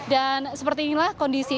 dan seperti inilah kondisinya